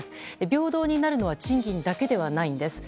平等になるのは賃金だけではないんです。